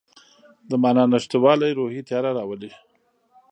د معنی نشتوالی روحي تیاره راولي.